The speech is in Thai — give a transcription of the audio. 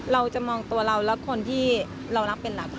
เราจะมองตัวเราและคนที่เรารักเป็นหลัก